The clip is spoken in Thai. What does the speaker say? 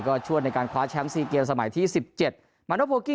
ก็ช่วงในการควาร์ดแชมป์สี่เกมสมัยที่สิบเจ็ดมัน